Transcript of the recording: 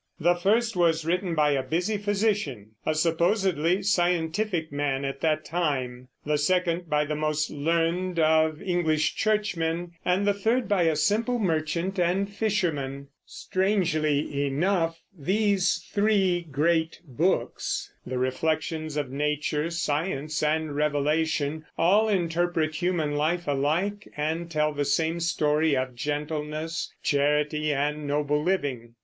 The first was written by a busy physician, a supposedly scientific man at that time; the second by the most learned of English churchmen; and the third by a simple merchant and fisherman. Strangely enough, these three great books the reflections of nature, science, and revelation all interpret human life alike and tell the same story of gentleness, charity, and noble living.